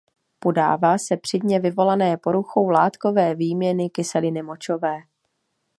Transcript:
Podává se při dně vyvolané poruchou látkové výměny kyseliny močové.